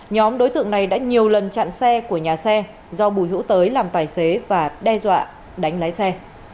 nhóm đối tượng này đã nhiều lần chặn xe của nhà xe do bùi hữu tới làm tài xế và đe dọa đánh lái xe